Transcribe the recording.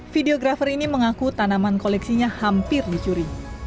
videografer ini mengaku tanaman koleksinya hampir dicuri